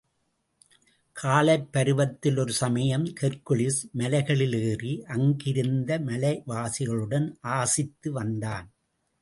காளைப் பருவத்தில் ஒரு சமயம், ஹெர்க்குலிஸ் மலைகளில் ஏறி, அங்கிருந்த மலைவாசிகளுடன் ஆசித்து வந்தான்.